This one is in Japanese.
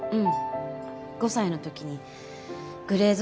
５歳の時にグレーゾーンって。